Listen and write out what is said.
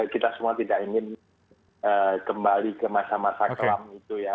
kita semua tidak ingin kembali ke masa masa kelam itu ya